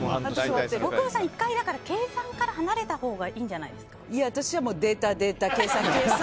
大久保さん、１回計算から離れたほうがいや、私はデータ、データ計算、計算。